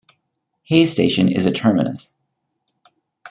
Hayes station is a terminus.